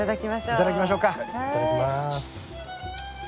いただきます。